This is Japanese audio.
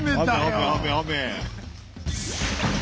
雨雨雨。